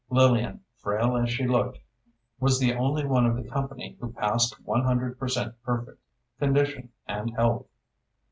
Lillian, frail as she looked, was the only one of the company who passed one hundred percent perfect—condition and health.